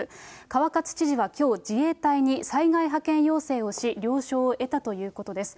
川勝知事はきょう自衛隊に災害派遣要請をし、了承を得たということです。